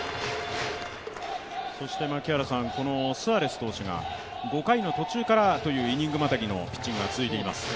スアレス投手が５回の途中からのというイニングまたぎのピッチングが続いています。